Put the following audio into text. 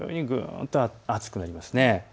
急にぐんと暑くなります。